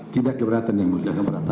tidak keberatan yang boleh